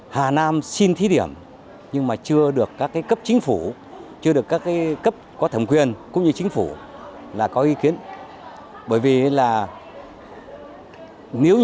hà nam xin thí điểm nhưng mà chưa được các cấp chính phủ chưa được các cấp có thẩm quyền cũng như chính phủ là có ý kiến